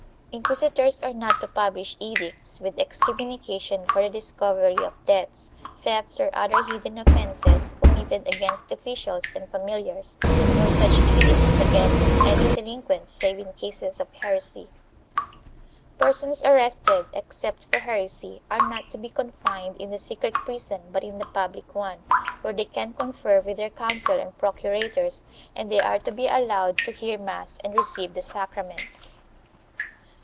Inquisitors are not to publish edicts with excommunication for the discovery •of debts, thefts or other hidden offences committed against officials and familiars, nor such edicts against any delinquents save in cases of heresy. Persons arrested, except for heresy, are not to be confined in the secret prison but in the public one, where they can confer with their counsel and procurators, .and they are to be allowed to hear mass and receive the sacraments.